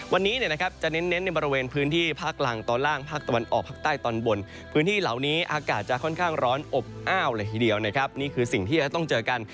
วันนี้จะเน้นในบริเวณพื้นที่ภาคล่างตอนล่างภาคตะวันออกภาคใต้ตอนบนพื้นที่เหล่านี้อากาศจะค่อนข้างร้อนอบอ้าวเลยทีเดียวนะครับนี่คือสิ่งที่จะต้องเจอกัน